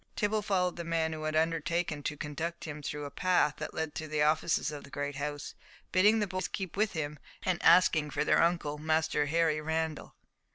Tibble followed the man who had undertaken to conduct him through a path that led to the offices of the great house, bidding the boys keep with him, and asking for their uncle Master Harry Randall.